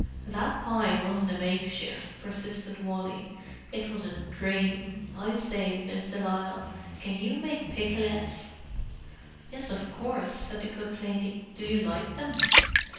"That pie wasn't a makeshift," persisted Wally. "It was a dream. I say, Miss de Lisle, can you make pikelets?" "Yes, of course," said the cook lady. "Do you like them?"